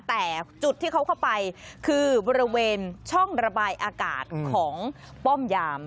แต่จุดที่เขาเข้าไปคือบริเวณช่องระบายอากาศของป้อมยาม